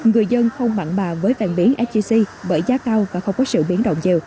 người dân không mặn bà với vàng miếng sjc bởi giá cao và không có sự biến động nhiều